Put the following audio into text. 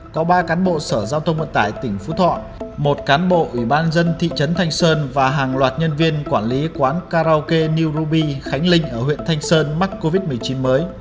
có ba cán bộ sở giao thông vận tải tỉnh phú thọ một cán bộ ủy ban dân thị trấn thanh sơn và hàng loạt nhân viên quản lý quán karaoke new ruby khánh linh ở huyện thanh sơn mắc covid một mươi chín mới